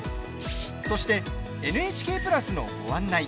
そして、ＮＨＫプラスのご案内。